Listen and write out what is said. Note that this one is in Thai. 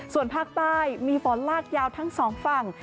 ส่วนภาคใต้มีฝนลากยาวทั้งสองฝั่ง